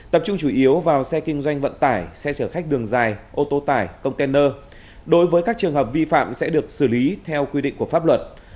tập trung chủ yếu vào xe kinh doanh vận tải xe chở khách đường dài ô tô tải container đối với các trường hợp vi phạm sẽ được xử lý theo quy định của pháp luật